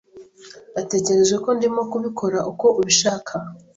Natekereje ko ndimo kubikora uko ubishaka.